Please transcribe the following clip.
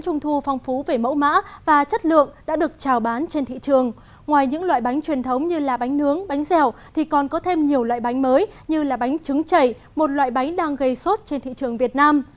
ngoài những loại bánh truyền thống như bánh nướng bánh dẻo thì còn có thêm nhiều loại bánh mới như là bánh trứng chảy một loại bánh đang gây sốt trên thị trường việt nam